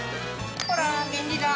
ほら便利だ。